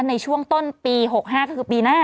ในช่วงต้นปี๖๕ก็คือปีหน้า